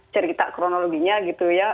cerita kronologinya gitu ya